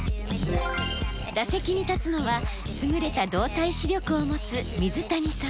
打席に立つのは優れた動体視力を持つ水谷さん。